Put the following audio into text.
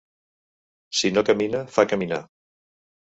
Si no camina, fa caminar.